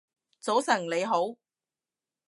早晨你好